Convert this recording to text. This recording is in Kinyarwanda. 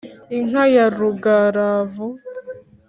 inka ya rugaravu